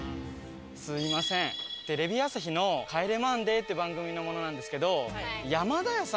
すみませんテレビ朝日の『帰れマンデー』って番組の者なんですけど。